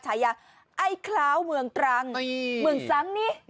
ชัยอ่ะไอ้คล้าวเมืองตรังนี่เมืองซั้งนี่อื้อ